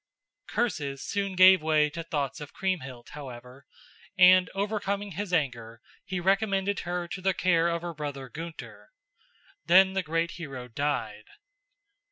Curses soon gave way to thoughts of Kriemhild, however, and overcoming his anger he recommended her to the care of her brother Gunther. Then the great hero died.